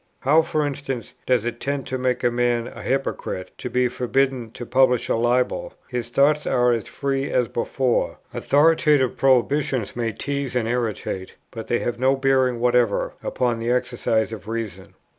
How, for instance, does it tend to make a man a hypocrite, to be forbidden to publish a libel? his thoughts are as free as before: authoritative prohibitions may tease and irritate, but they have no bearing whatever upon the exercise of reason.